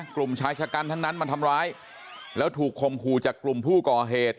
กลุ่มชายชะกันทั้งนั้นมาทำร้ายแล้วถูกคมคู่จากกลุ่มผู้ก่อเหตุ